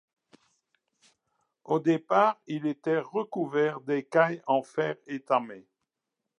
Au départ, il était recouvert d'écailles en fer étamé.